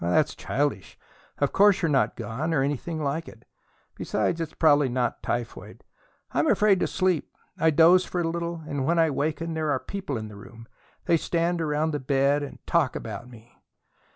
"That's childish. Of course you're not gone, or anything like it. Besides, it's probably not typhoid." "I'm afraid to sleep. I doze for a little, and when I waken there are people in the room. They stand around the bed and talk about me."